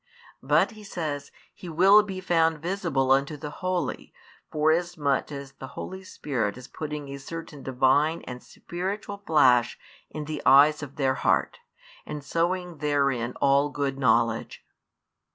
But He says He will be found visible unto the holy, forasmuch as the Holy Spirit is putting a certain Divine and spiritual flash in the eyes of their heart, and sowing therein all good knowledge.